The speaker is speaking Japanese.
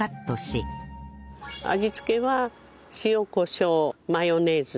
味付けは塩コショウマヨネーズ。